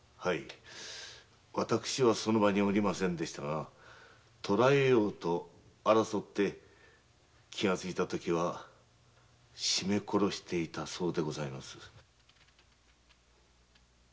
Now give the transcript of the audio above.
私はその場におりませんでしたが捕らえようとして争って気がついた時は締め殺していたそうでございます。